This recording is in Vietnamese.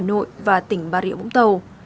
thành phố hà nội và tỉnh bà rịa bỗng tàu